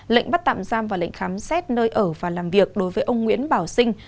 lệnh bắt tạm giam và lệnh khám xét nơi ở và làm việc đối với ông nguyễn bảo sinh